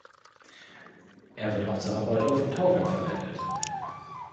Er wird auch zur Reparatur von Tauwerk verwendet.